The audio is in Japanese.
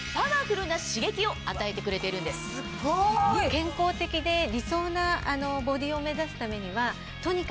健康的で理想なボディーを目指すためには。